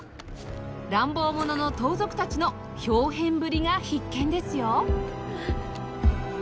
乱暴者の盗賊たちの豹変ぶりが必見ですよ